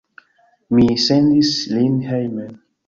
Mi sendis lin hejmen.